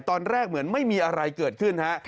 ตอนแรกเหมือนไม่มีอะไรเกิดขึ้นฮะ